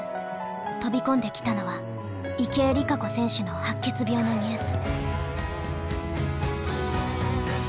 飛び込んできたのは池江璃花子選手の白血病のニュース。